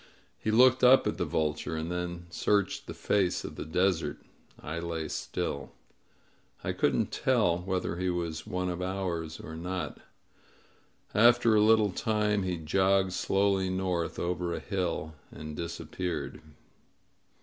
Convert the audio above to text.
He looked up at the vulture, and then searched the face of the desert. I lay still. I couldn't tell whether he was one of ours or not. After a little time he jogged slowly north over a hill and disappeared.